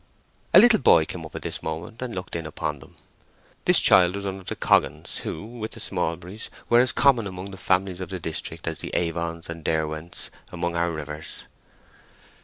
A little boy came up at this moment and looked in upon them. This child was one of the Coggans, who, with the Smallburys, were as common among the families of this district as the Avons and Derwents among our rivers.